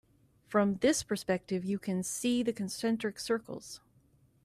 From this perspective you can see the concentric circles.